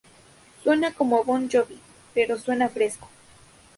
Suena como Bon Jovi, pero suena fresco.